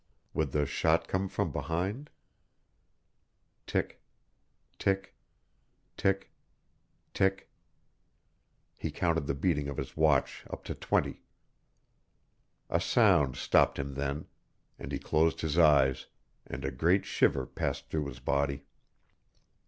Would the shot come from behind? Tick tick tick tick He counted the beating of his watch up to twenty. A sound stopped him then, and he closed his eyes, and a great shiver passed through his body.